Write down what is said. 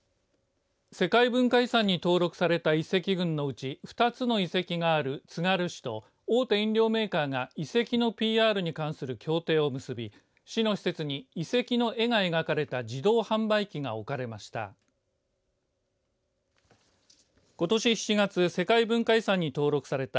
世界文化遺産に登録された遺跡群のうち２つの遺跡があるつがる市と大手飲料メーカーが遺跡のＰＲに関する協定を結び市の施設に遺跡の絵が描かれた自動販売機が置かれました。